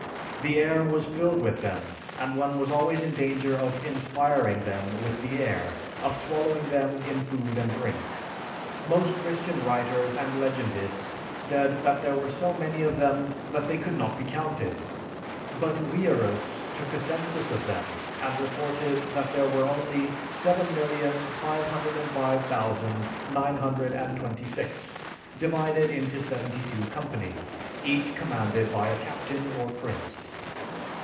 The air was filled with them, and one was always in danger of inspiring them with the air, of swallowing them in food and drink. Most Christian writers and legendists said that there were so many of them they could not be counted, but Wierus took a census of them and reported that there were only 7,505,926 divided into seventy two companies, each commanded by a captain or prince.